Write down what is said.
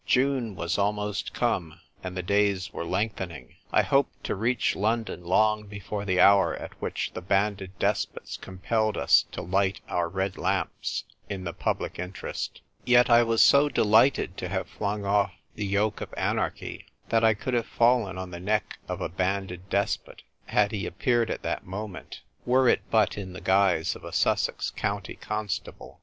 June was almost come, and the days were lengthening. I hoped to reach London long before the hour at which the Banded Despots compel us to light our red lamps in the public interest. CALLED "OF ACCIDENTS." 87 Yet I was so delighted to have flung off the yoke of anarchy that I could have fallen on the neck of a Banded Despot, had he appeared at that moment, were it but in the guise of a Sussex County Constable.